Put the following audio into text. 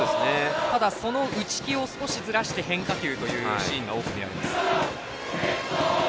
その打ち気を少しずらして変化球というシーンが多く見られます。